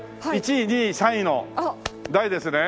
１位２位３位の台ですね。